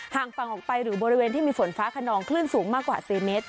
ห่างฝั่งออกไปหรือบริเวณที่มีฝนฟ้าขนองคลื่นสูงมากกว่า๔เมตร